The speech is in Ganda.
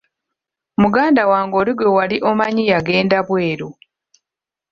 Muganda wange oli gwe wali omanyi yagenda bweru.